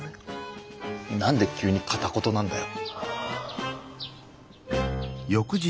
何で急に片言なんだよ。